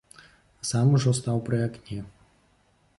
А сам ужо стаў пры акне.